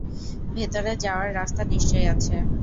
ভেতরে যাওয়ার রাস্তা নিশ্চয় আছে।